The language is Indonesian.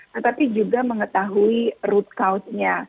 tetapi juga mengetahui root cause nya